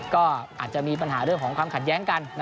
ก็อาจจะมีปัญหาเรื่องของความขัดแย้งกัน